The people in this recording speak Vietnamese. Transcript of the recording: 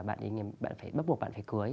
bạn ấy bắt buộc bạn phải cưới